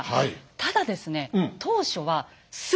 ただですね